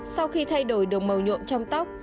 sau khi thay đổi được màu nhuộm trong tóc